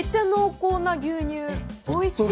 おいしい。